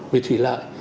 về thủy lợi